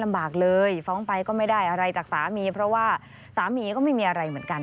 บากเลยฟ้องไปก็ไม่ได้อะไรจากสามีเพราะว่าสามีก็ไม่มีอะไรเหมือนกัน